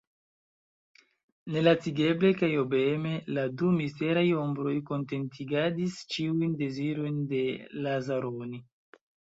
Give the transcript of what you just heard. Nelacigeble kaj obeeme la du misteraj ombroj kontentigadis ĉiujn dezirojn de Lazaroni.